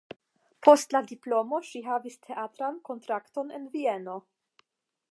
Post la diplomo ŝi havis teatran kontrakton en Vieno.